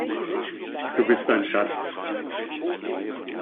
Du bist ein Schatz!